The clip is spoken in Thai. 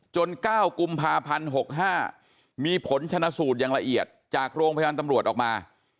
๙กุมภาพันธ์๖๕มีผลชนะสูตรอย่างละเอียดจากโรงพยาบาลตำรวจออกมา